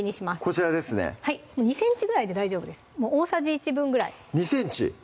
こちらですね２ｃｍぐらいで大丈夫です大さじ１分ぐらい２ｃｍ？